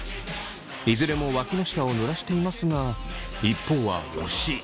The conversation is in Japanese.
いずれもわきの下をぬらしていますが一方は惜しい。